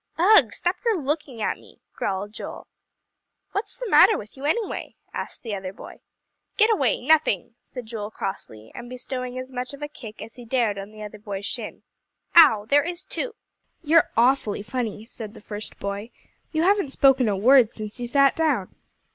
"Ugh! stop your looking at me," growled Joel. "What's the matter with you, anyway?" asked the other boy. "Get away nothing," said Joel crossly, and bestowing as much of a kick as he dared on the other boy's shin. "Ow! There is too." "You're awfully funny," said the first boy, "you haven't spoken a word since you sat down."